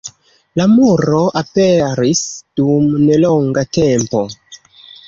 La muro aperis dum nelonga tempo.